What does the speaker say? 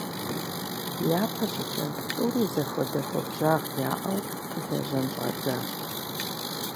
ЯпэщӀыкӀэ тӀури зэхуэдэ хуабжьагъ яӀэу лэжьэн щӀадзащ.